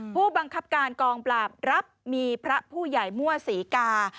ผู้บังคับการกองปราบรับมีพระผู้ใหญ่มั่วศรีกา